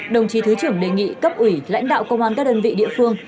đồng chí thứ trưởng đề nghị cấp ủy lãnh đạo công an các đơn vị địa phương